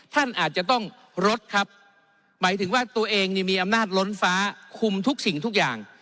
ท่านอาจจะต้องลดครับหมายถึงว่าตัวเองมีอำนาจล้นฟ้าคุมทุกสิ่งทุกอย่าง